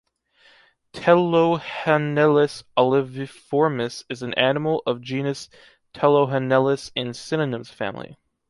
Thelohanellus oliviformis is an animal of genus Thelohanellus in Synonyms family.